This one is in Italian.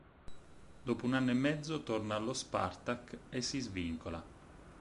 Dopo un anno e mezzo torna allo Spartak e si svincola.